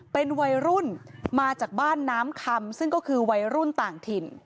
เป็นวัยรุ่นมาจากบ้านน้ำคำซึ่งก็คือวัยรุ่นต่างถิ่น